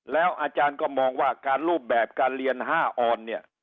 แล้วอาจารย์ก็มองว่าการรูปแบบการเรียน๕ออนเนี่ย